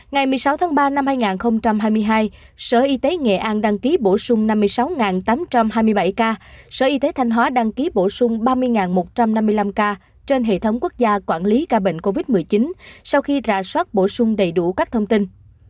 ngày một mươi sáu tháng ba năm hai nghìn hai mươi hai sở y tế nghệ an đăng ký bổ sung năm mươi sáu tám trăm hai mươi bảy ca sở y tế thanh hóa đăng ký bổ sung ba mươi một trăm năm mươi năm ca trên hệ thống quốc gia quản lý ca bệnh covid một mươi chín sau khi rà soát bổ sung đầy đủ các thông tin